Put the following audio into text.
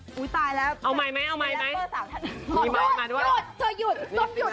เห้ยตายแล้วเป็นแร็ตเตอร์๓นักแล้วมันออกมาบุ๊คธิ์ว่า